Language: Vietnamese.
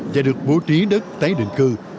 và được vô trí đất tế định cư